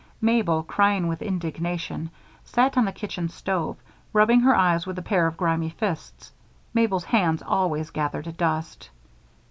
Mabel, crying with indignation, sat on the kitchen stove rubbing her eyes with a pair of grimy fists Mabel's hands always gathered dust.